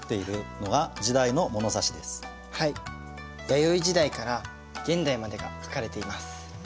弥生時代から現代までが書かれています。